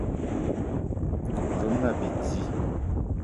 Ve ma bidi